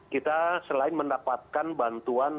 kita selain mendapatkan bantuan